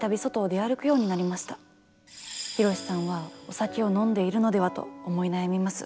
博さんは「お酒を飲んでいるのでは？」と思い悩みます。